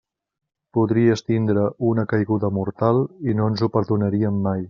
Podries tindre una caiguda mortal i no ens ho perdonaríem mai.